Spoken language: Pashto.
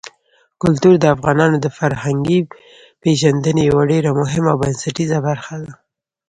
کلتور د افغانانو د فرهنګي پیژندنې یوه ډېره مهمه او بنسټیزه برخه ده.